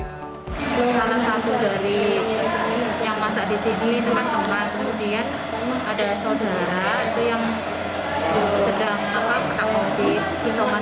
salah satu dari yang masak di sini teman teman kemudian ada saudara